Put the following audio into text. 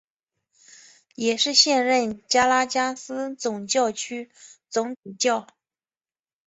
也是现任加拉加斯总教区总主教。